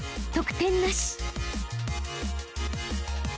得点なし］